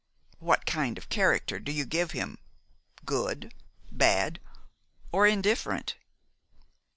"What kind of character do you give him, good, bad, or indifferent?"